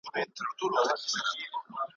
سره لمبه سم چي نه وینې نه مي اورې په غوږونو ,